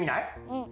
うん！